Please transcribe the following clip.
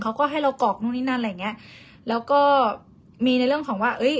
เขาก็ให้เรากรอกนู่นนี่นั่นอะไรอย่างเงี้ยแล้วก็มีในเรื่องของว่าเอ้ย